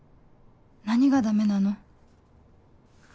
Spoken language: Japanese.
何がダメなの？